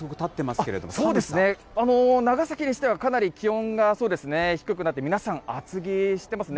けれそうですね、長崎にしては、かなり気温が、そうですね、低くなって、皆さん厚着してますね。